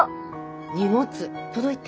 荷物届いた？